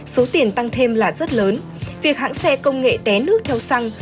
số tiền tăng thêm là rất lớn việc hãng xe công nghệ té nước theo xăng